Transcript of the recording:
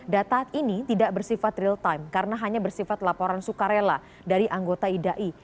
data ini tidak bersifat real time karena hanya bersifat laporan sukarela dari anggota idai